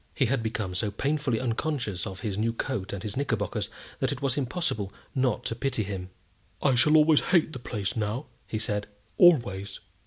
He had become so painfully unconscious of his new coat and his knickerbockers that it was impossible not to pity him. "I shall always hate the place now," he said, "always."